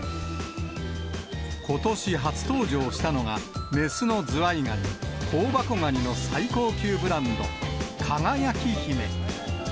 ことし初登場したのが、雌のズワイガニ、香箱ガニの最高級ブランド、輝姫。